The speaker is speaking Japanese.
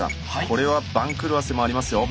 これは番狂わせもありますよ。